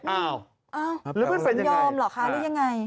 อ้าวสมยอมหรือยังไง